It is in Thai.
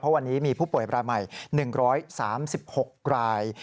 เพราะวันนี้มีผู้ป่วยปลายใหม่๑๓๖ราย